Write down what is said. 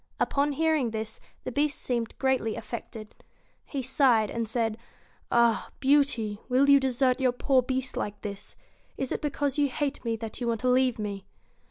Upon hearing this, the Beast seemed greatly affected. He sighed, and said: 'Ah! Beauty, will you desert your poor Beast like this ? Is it because you hate me that you want to leave me